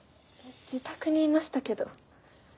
自宅にいましたけど。